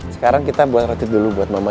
sekarang kita buat roti dulu buat mama